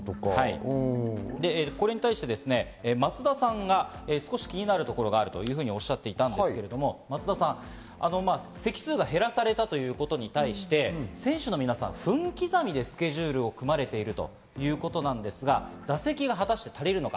これに対して松田さんが少し気になるところがあるというふうにおっしゃっていたんですけど、席数が減らされたということに対して、選手の皆さん、分刻みでスケジュールを組まれているということなので、座席が果たして足りるのか。